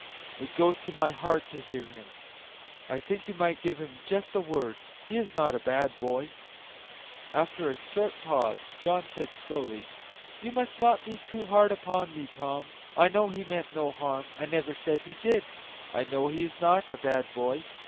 It goes to my heart to hear him. I think you might give him just a word; he is not a bad boy." After a short pause John said slowly, "You must not be too hard upon me, Tom. I know he meant no harm, I never said he did; I know he is not a bad boy.